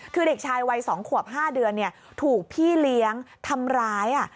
คือเด็กชายวัย๒ขวบ๕เดือนถูกพี่เลี้ยงทำร้าย